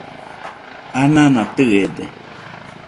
anana tɨede